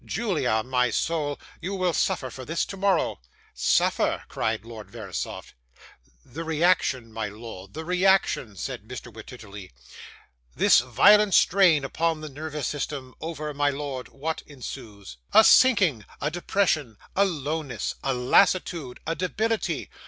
'Julia, my soul, you will suffer for this tomorrow.' 'Suffer!' cried Lord Verisopht. 'The reaction, my lord, the reaction,' said Mr. Wititterly. 'This violent strain upon the nervous system over, my lord, what ensues? A sinking, a depression, a lowness, a lassitude, a debility.